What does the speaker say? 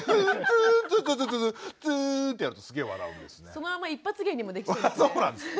そのまま一発芸にもできそうですね。